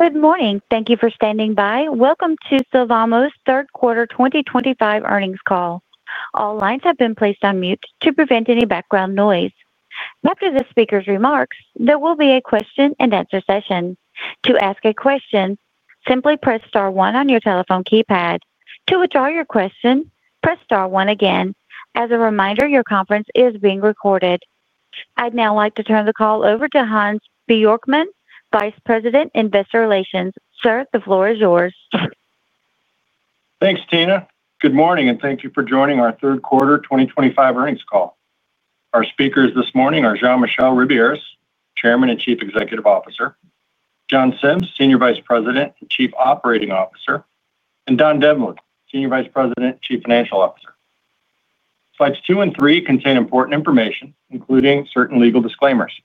Good morning. Thank you for standing by. Welcome to Sylvamo Corporation's Third Quarter 2025 Earnings Call. All lines have been placed on mute to prevent any background noise. After the speaker's remarks, there will be a question-and-answer session. To ask a question, simply press star one on your telephone keypad. To withdraw your question, press star one again. As a reminder, your conference is being recorded. I'd now like to turn the call over to Hans Bjorkman, Vice President, Investor Relations. Sir, the floor is yours. Thanks, Tina. Good morning, and thank you for joining our Third Quarter 2025 Earnings Call. Our speakers this morning are Jean-Michel Ribiéras, Chairman and Chief Executive Officer; John Sims, Senior Vice President and Chief Operating Officer; and Don Devlin, Senior Vice President and Chief Financial Officer. Slides two and three contain important information, including certain legal disclaimers.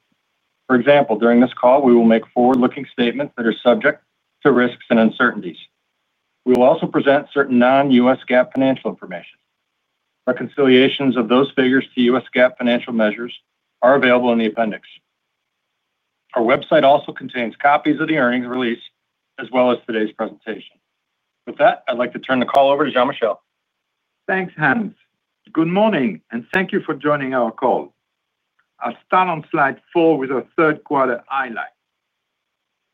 For example, during this call, we will make forward-looking statements that are subject to risks and uncertainties. We will also present certain non-US GAAP financial information. Reconciliations of those figures to US GAAP financial measures are available in the appendix. Our website also contains copies of the earnings release as well as today's presentation. With that, I'd like to turn the call over to Jean-Michel. Thanks, Hans. Good morning, and thank you for joining our call. I'll start on slide four with our third quarter highlights.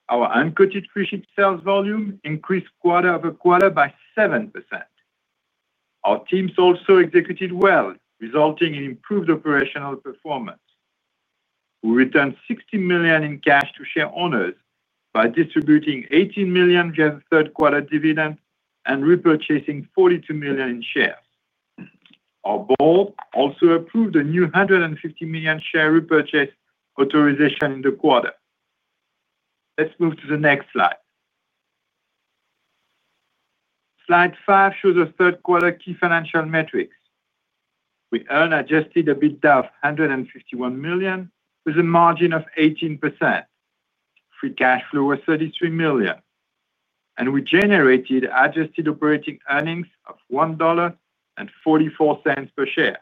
Our uncoated freesheet sales volume increased quarter over quarter by 7%. Our teams also executed well, resulting in improved operational performance. We returned $60 million in cash to shareholders by distributing $18 million via the third quarter dividend and repurchasing $42 million in shares. Our board also approved a new $150 million share repurchase authorization in the quarter. Let's move to the next slide. Slide five shows our third quarter key financial metrics. We earned adjusted EBITDA of $151 million with a margin of 18%. Free cash flow was $33 million, and we generated adjusted operating earnings of $1.44 per share.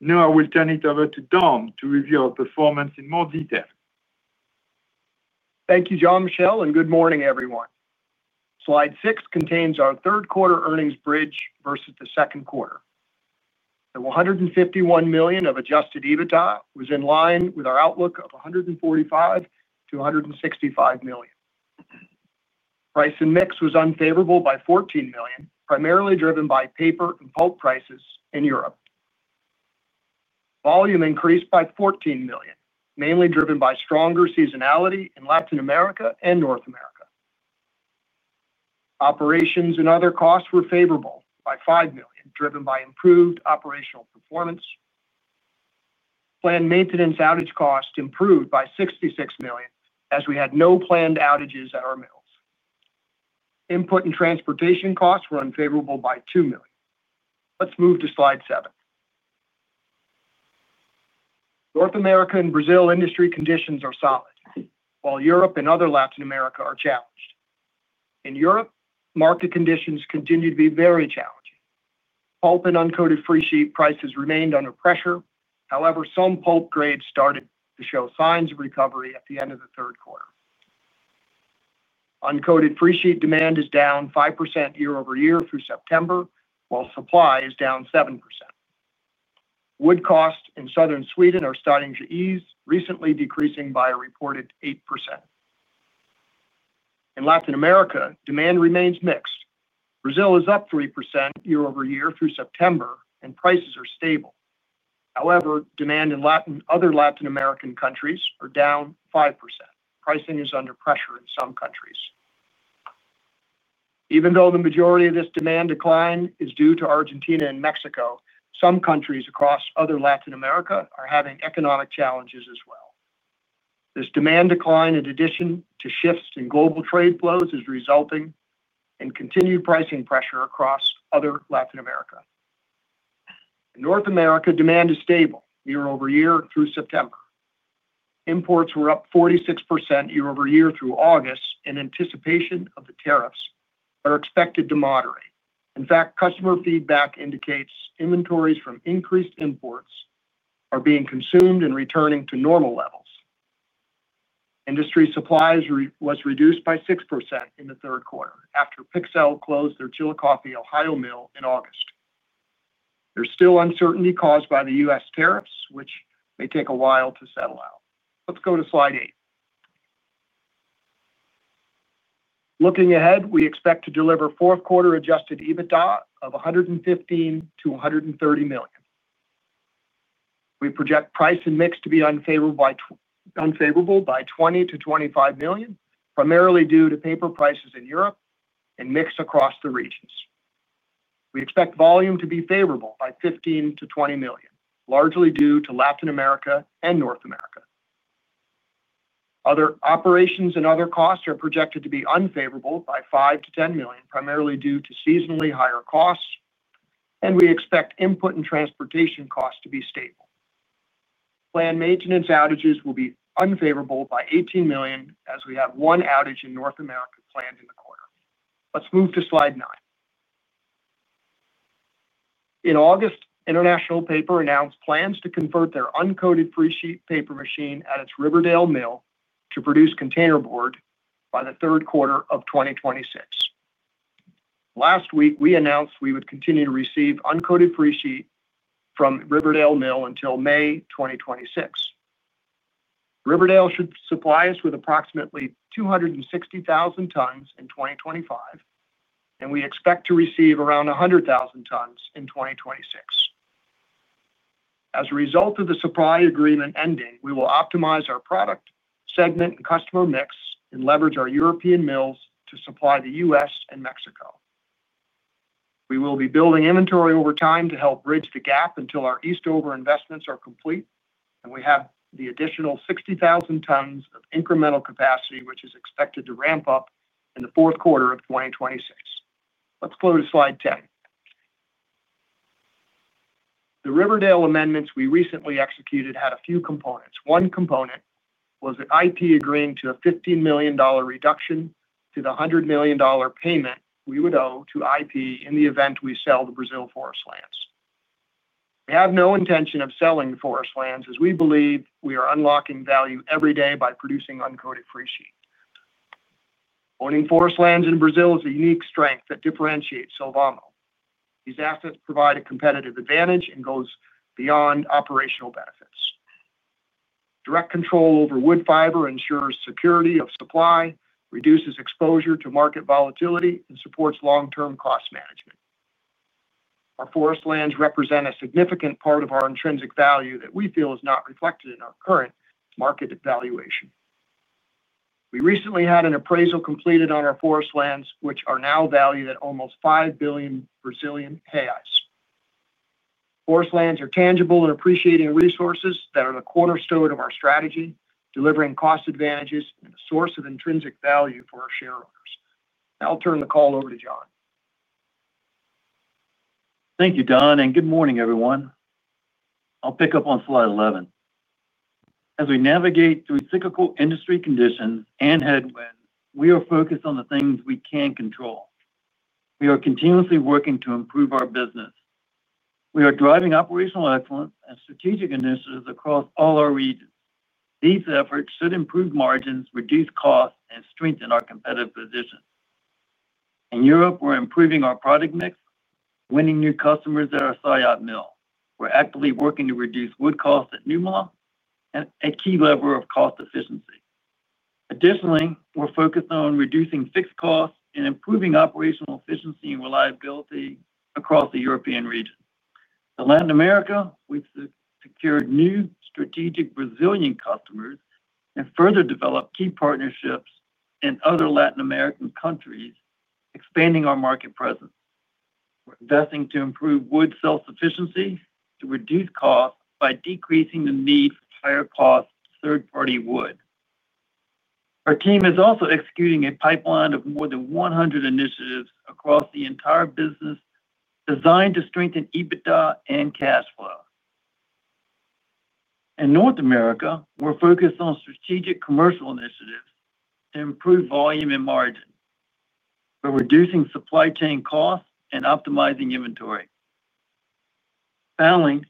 Now I will turn it over to Don to review our performance in more detail. Thank you, Jean-Michel, and good morning, everyone. Slide six contains our third quarter earnings bridge versus the second quarter. The 151 million of adjusted EBITDA was in line with our outlook of 145-165 million. Price and mix was unfavorable by 14 million, primarily driven by paper and pulp prices in Europe. Volume increased by 14 million, mainly driven by stronger seasonality in Latin America and North America. Operations and other costs were favorable by 5 million, driven by improved operational performance. Planned maintenance outage costs improved by 66 million as we had no planned outages at our mills. Input and transportation costs were unfavorable by 2 million. Let's move to slide seven. North America and Brazil industry conditions are solid, while Europe and other Latin America are challenged. In Europe, market conditions continue to be very challenging. Pulp and uncoated free sheet prices remained under pressure. However, some pulp grades started to show signs of recovery at the end of the third quarter. Uncoated free sheet demand is down 5% year over year through September, while supply is down 7%. Wood costs in southern Sweden are starting to ease, recently decreasing by a reported 8%. In Latin America, demand remains mixed. Brazil is up 3% year over year through September, and prices are stable. However, demand in other Latin American countries is down 5%. Pricing is under pressure in some countries. Even though the majority of this demand decline is due to Argentina and Mexico, some countries across other Latin America are having economic challenges as well. This demand decline, in addition to shifts in global trade flows, is resulting in continued pricing pressure across other Latin America. In North America, demand is stable year over year through September. Imports were up 46% year over year through August in anticipation of the tariffs, but are expected to moderate. In fact, customer feedback indicates inventories from increased imports are being consumed and returning to normal levels. Industry supply was reduced by 6% in the third quarter after Pixel closed their Chillicothe, Ohio, mill in August. There's still uncertainty caused by the US tariffs, which may take a while to settle out. Let's go to slide eight. Looking ahead, we expect to deliver fourth quarter adjusted EBITDA of 115-130 million. We project price and mix to be unfavorable by 20-25 million, primarily due to paper prices in Europe and mix across the regions. We expect volume to be favorable by 15-20 million, largely due to Latin America and North America. Operations and other costs are projected to be unfavorable by 5-10 million, primarily due to seasonally higher costs, and we expect input and transportation costs to be stable. Planned maintenance outages will be unfavorable by 18 million as we have one outage in North America planned in the quarter. Let's move to slide nine. In August, International Paper announced plans to convert their uncoated free sheet paper machine at its Riverdale mill to produce container board by the third quarter of 2026. Last week, we announced we would continue to receive uncoated free sheet from Riverdale mill until May 2026. Riverdale should supply us with approximately 260,000 tons in 2025, and we expect to receive around 100,000 tons in 2026. As a result of the supply agreement ending, we will optimize our product segment and customer mix and leverage our European mills to supply the US and Mexico. We will be building inventory over time to help bridge the gap until our Eastover investments are complete, and we have the additional 60,000 tons of incremental capacity, which is expected to ramp up in the fourth quarter of 2026. Let's go to slide ten. The Riverdale amendments we recently executed had a few components. One component was that IP agreeing to a $15 million reduction to the $100 million payment we would owe to IP in the event we sell the Brazil forest lands. We have no intention of selling the forest lands as we believe we are unlocking value every day by producing uncoated free sheet. Owning forest lands in Brazil is a unique strength that differentiates Sylvamo. These assets provide a competitive advantage and go beyond operational benefits. Direct control over wood fiber ensures security of supply, reduces exposure to market volatility, and supports long-term cost management. Our forest lands represent a significant part of our intrinsic value that we feel is not reflected in our current market valuation. We recently had an appraisal completed on our forest lands, which are now valued at almost 5 billion Brazilian reais. Forest lands are tangible and appreciating resources that are the cornerstone of our strategy, delivering cost advantages and a source of intrinsic value for our shareholders. I'll turn the call over to John. Thank you, Don, and good morning, everyone. I'll pick up on slide 11. As we navigate through cyclical industry conditions and headwinds, we are focused on the things we can control. We are continuously working to improve our business. We are driving operational excellence and strategic initiatives across all our regions. These efforts should improve margins, reduce costs, and strengthen our competitive position. In Europe, we're improving our product mix, winning new customers at our Saiyot mill. We're actively working to reduce wood costs at Numila and at key levels of cost efficiency. Additionally, we're focused on reducing fixed costs and improving operational efficiency and reliability across the European region. In Latin America, we've secured new strategic Brazilian customers and further developed key partnerships in other Latin American countries, expanding our market presence. We're investing to improve wood self-sufficiency, to reduce costs by decreasing the need for higher-cost third-party wood. Our team is also executing a pipeline of more than 100 initiatives across the entire business, designed to strengthen EBITDA and cash flow. In North America, we're focused on strategic commercial initiatives to improve volume and margin. We're reducing supply chain costs and optimizing inventory. Finally,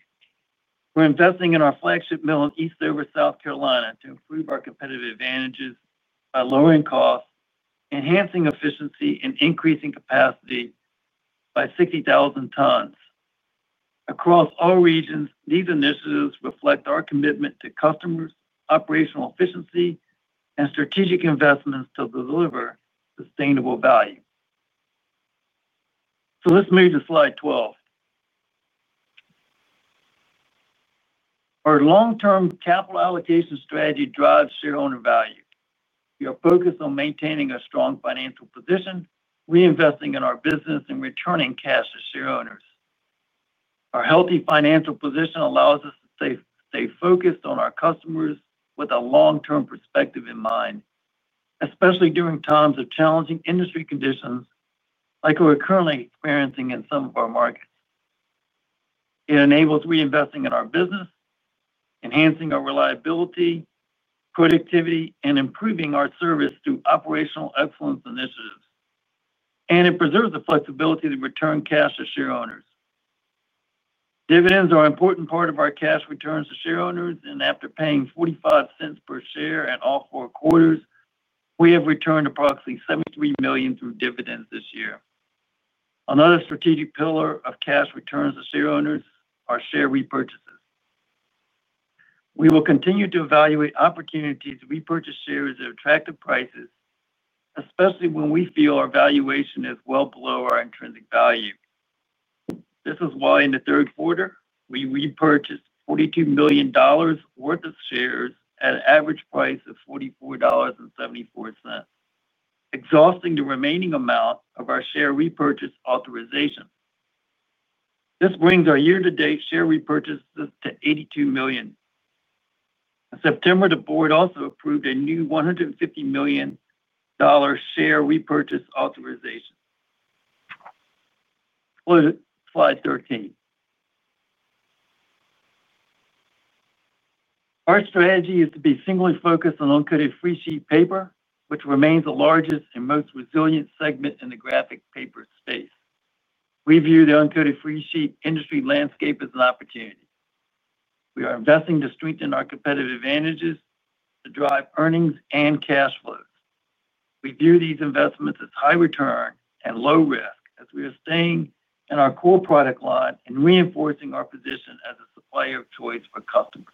we're investing in our flagship mill in Eastover South Carolina to improve our competitive advantages by lowering costs, enhancing efficiency, and increasing capacity by 60,000 tons. Across all regions, these initiatives reflect our commitment to customers, operational efficiency, and strategic investments to deliver sustainable value. So let's move to slide 12. Our long-term capital allocation strategy drives shareholder value. We are focused on maintaining a strong financial position, reinvesting in our business, and returning cash to shareholders. Our healthy financial position allows us to stay focused on our customers with a long-term perspective in mind, especially during times of challenging industry conditions like we're currently experiencing in some of our markets. It enables reinvesting in our business, enhancing our reliability, productivity, and improving our service through operational excellence initiatives. And it preserves the flexibility to return cash to shareholders. Dividends are an important part of our cash returns to shareholders, and after paying $0.45 cents per share in all four quarters, we have returned approximately $73 million through dividends this year. Another strategic pillar of cash returns to shareholders are share repurchases. We will continue to evaluate opportunities to repurchase shares at attractive prices, especially when we feel our valuation is well below our intrinsic value. This is why in the third quarter, we repurchased $42 million worth of shares at an average price of $44.74, exhausting the remaining amount of our share repurchase authorization. This brings our year-to-date share repurchases to 82 million. In September, the board also approved a new $150 million share repurchase authorization. Slide 13. Our strategy is to be singly focused on uncoated free sheet paper, which remains the largest and most resilient segment in the graphic paper space. We view the uncoated free sheet industry landscape as an opportunity. We are investing to strengthen our competitive advantages, to drive earnings and cash flows. We view these investments as high return and low risk as we are staying in our core product line and reinforcing our position as a supplier of choice for customers.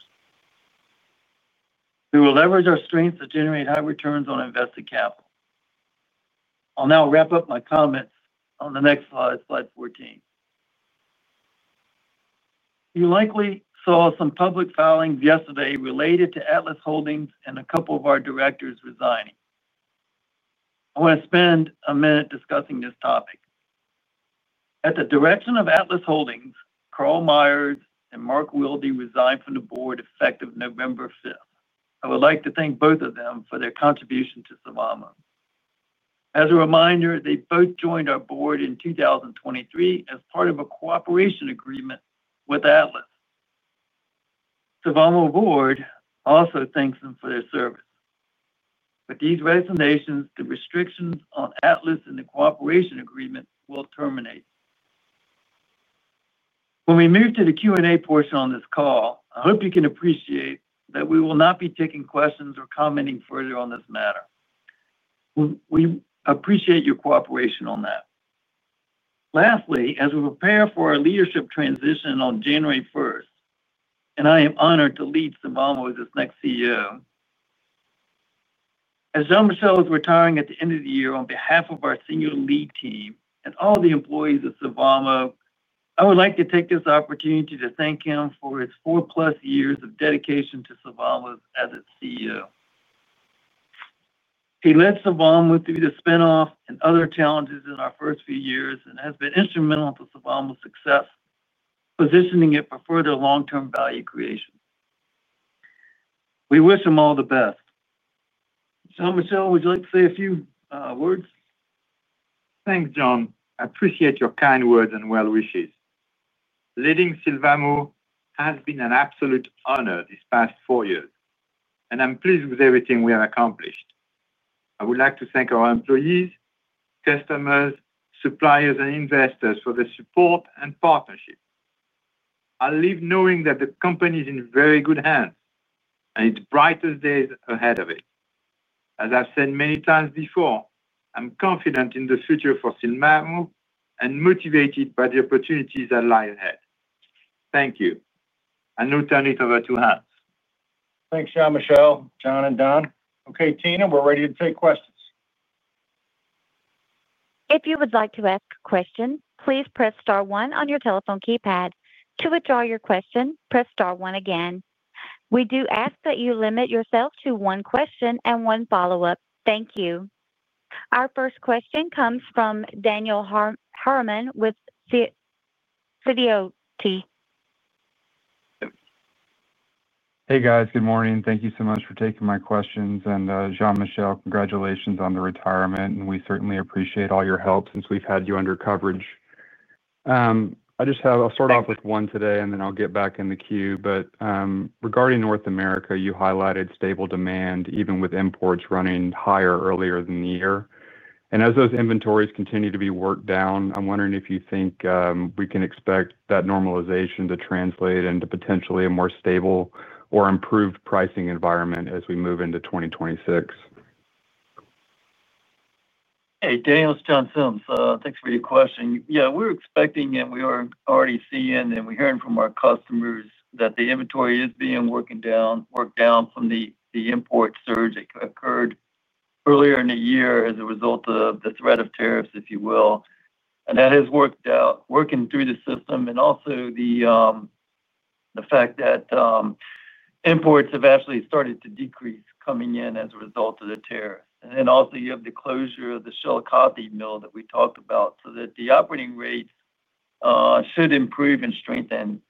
We will leverage our strengths to generate high returns on invested capital. I'll now wrap up my comments on the next slide, slide 14. You likely saw some public filings yesterday related to Atlas Holdings and a couple of our directors resigning. I want to spend a minute discussing this topic. At the direction of Atlas Holdings, Carl Myers and Mark Wilde resigned from the board effective November 5th. I would like to thank both of them for their contribution to Sylvamo. As a reminder, they both joined our board in 2023 as part of a cooperation agreement with Atlas. Sylvamo Board also thanks them for their service. With these resignations, the restrictions on Atlas and the cooperation agreement will terminate. When we move to the Q&A portion on this call, I hope you can appreciate that we will not be taking questions or commenting further on this matter. We appreciate your cooperation on that. Lastly, as we prepare for our leadership transition on January 1st, and I am honored to lead Sylvamo as its next CEO, as Jean-Michel is retiring at the end of the year on behalf of our senior lead team and all the employees of Sylvamo, I would like to take this opportunity to thank him for his four-plus years of dedication to Sylvamo as its CEO. He led Sylvamo through the spinoff and other challenges in our first few years and has been instrumental to Sylvamo's success, positioning it for further long-term value creation. We wish him all the best. Jean-Michel, would you like to say a few words? Thanks, John. I appreciate your kind words and well wishes. Leading Sylvamo has been an absolute honor these past four years, and I'm pleased with everything we have accomplished. I would like to thank our employees, customers, suppliers, and investors for the support and partnership. I'll leave knowing that the company is in very good hands and its brightest days ahead of it. As I've said many times before, I'm confident in the future for Sylvamo and motivated by the opportunities that lie ahead. Thank you. I'll now turn it over to Hans. Thanks, Jean-Michel, John, and Don. Okay, Tina, we're ready to take questions. If you would like to ask a question, please press star one on your telephone keypad. To withdraw your question, press star one again. We do ask that you limit yourself to one question and one follow-up. Thank you. Our first question comes from Daniel Harriman with Sidoti. Hey, guys. Good morning. Thank you so much for taking my questions. And John Michelle, congratulations on the retirement, and we certainly appreciate all your help since we've had you under coverage. I'll start off with one today, and then I'll get back in the queue. But regarding North America, you highlighted stable demand, even with imports running higher earlier in the year. And as those inventories continue to be worked down, I'm wondering if you think we can expect that normalization to translate into potentially a more stable or improved pricing environment as we move into 2026. Hey, Daniel, it's John Sims. Thanks for your question. Yeah, we're expecting, and we are already seeing, and we're hearing from our customers that the inventory is being worked down from the import surge that occurred earlier in the year as a result of the threat of tariffs, if you will. And that has worked out, working through the system, and also the fact that imports have actually started to decrease coming in as a result of the tariffs. And then also you have the closure of the Shell coffee mill that we talked about, so that the operating rates should improve and strengthen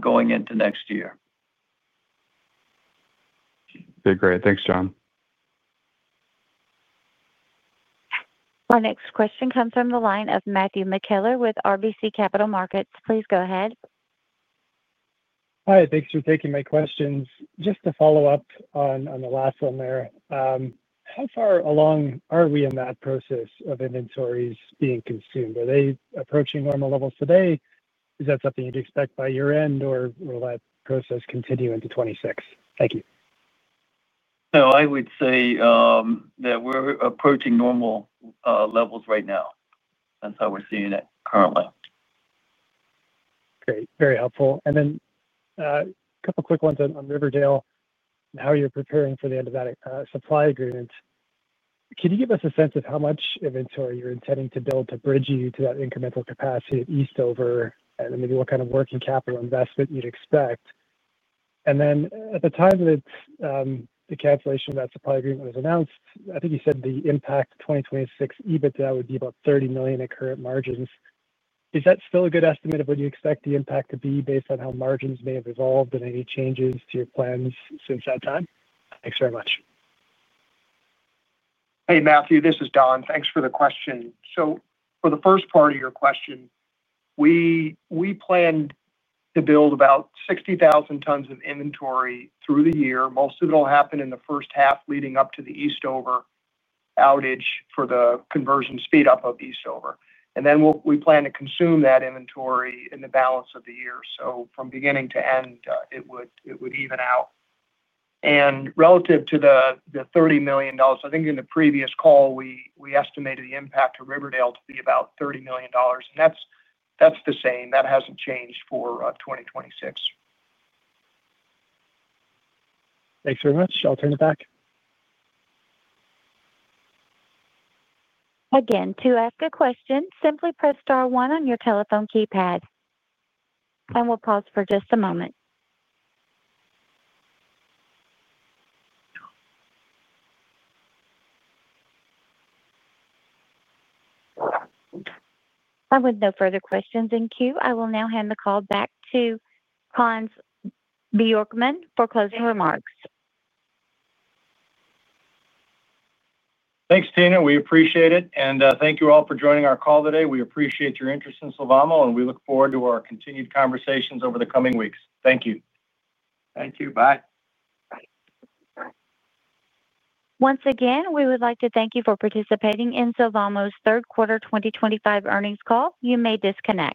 going into next year. Okay, great. Thanks, John. Our next question comes from the line of Matthew McKeller with RBC Capital Markets. Please go ahead. Hi, thanks for taking my questions. Just to follow up on the last one there, how far along are we in that process of inventories being consumed? Are they approaching normal levels today? Is that something you'd expect by year-end, or will that process continue into '26? Thank you. So I would say that we're approaching normal levels right now. That's how we're seeing it currently. Great. Very helpful. And then a couple of quick ones on Riverdale and how you're preparing for the end of that supply agreement. Can you give us a sense of how much inventory you're intending to build to bridge you to that incremental capacity at Eastover and maybe what kind of working capital investment you'd expect? And then at the time that the calculation of that supply agreement was announced, I think you said the impact of 2026 EBITDA would be about 30 million at current margins. Is that still a good estimate of what you expect the impact to be based on how margins may have evolved and any changes to your plans since that time? Thanks very much. Hey, Matthew, this is Don. Thanks for the question. So for the first part of your question, we plan to build about 60,000 tons of inventory through the year. Most of it will happen in the first half leading up to the Eastover outage for the conversion speed-up of Eastover. And then we plan to consume that inventory in the balance of the year. So from beginning to end, it would even out. And relative to the $30 million, I think in the previous call, we estimated the impact to Riverdale to be about $30 million. And that's the same. That hasn't changed for 2026. Thanks very much. I'll turn it back. Again, to ask a question, simply press star one on your telephone keypad. And we'll pause for just a moment. And with no further questions in queue, I will now hand the call back to Hans Bjorkman for closing remarks. Thanks, Tina. We appreciate it. And thank you all for joining our call today. We appreciate your interest in Sylvamo, and we look forward to our continued conversations over the coming weeks. Thank you. Thank you. Bye. Bye. Once again, we would like to thank you for participating in SylvamoCorporation's Third Quarter 2025 Earnings call. You may disconnect.